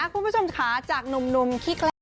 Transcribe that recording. คุณผู้ชมค่ะจากนุ่มคลิกแล้ว